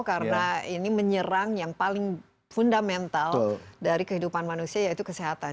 karena ini menyerang yang paling fundamental dari kehidupan manusia yaitu kesehatan